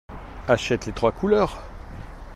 Achète les trois couleurs.